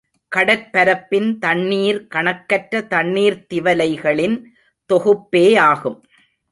கடற்பரப்பின் தண்ணீர் கணக்கற்ற தண்ணீர்த் திவலைகளின் தொகுப்பேயாகும்.